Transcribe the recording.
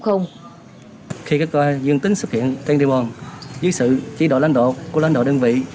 khi các ca dương tính xuất hiện trên đi bồn dưới sự chỉ đổi lanh độ của lanh độ đơn vị